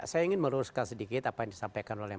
saya ingin meluruskan sedikit apa yang disampaikan oleh